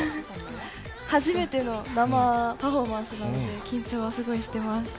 初めての生パフォーマンスなので緊張はすごいしています。